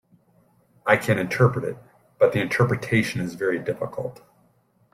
I can interpret it, but the interpretation is very difficult.